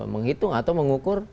menghitung atau mengukur